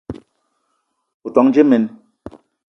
O ton dje mene?